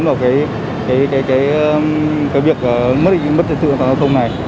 vào cái việc mất định mất tựa tăng thông này